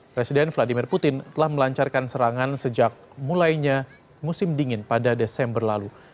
presiden vladimir putin telah melancarkan serangan sejak mulainya musim dingin pada desember lalu